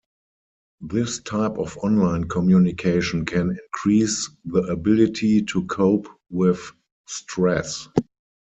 This type of online communication can increase the ability to cope with stress.